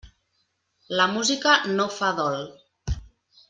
La música no fa dol.